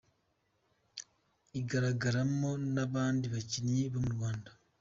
Igaragaramo n’abandi bakinnyi bo mu Rwanda.